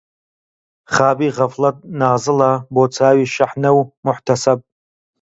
خابی غەفڵەت نازڵە بۆ چاوی شەحنە و موحتەسەب